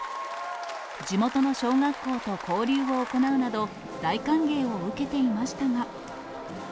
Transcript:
地元の小学校と交流を行うなど、大歓迎を受けていましたが。